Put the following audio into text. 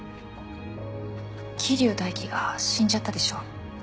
桐生大輝が死んじゃったでしょ？